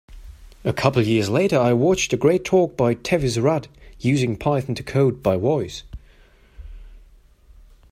A couple years later I watched a great talk by Tavis Rudd, Using Python to Code by Voice.